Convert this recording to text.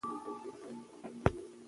مادي ژبه ځنډ نه راولي.